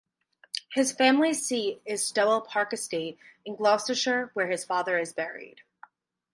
His family seat is Stowell Park Estate in Gloucestershire, where his father is buried.